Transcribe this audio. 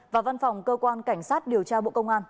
và văn phòng cơ quan cảnh sát điều tra bộ công an